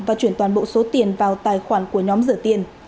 và chuyển toàn bộ số tiền vào tài khoản của nhóm rửa tiền